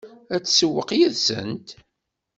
Ad tsewweq yid-sent?